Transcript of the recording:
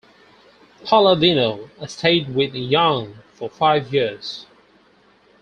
Palladino stayed with Young for five years.